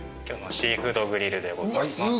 今日のシーフードグリルでございます。